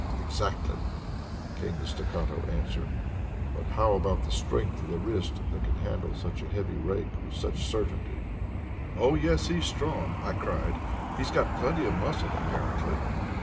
"Exactly!" came the staccato answer; "but how about the strength of the wrist that can handle such a heavy rake with such certainty?" "Oh, yes, he's strong," I cried. "He's got plenty of muscle, apparently."